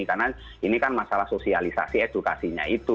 karena ini kan masalah sosialisasi edukasinya itu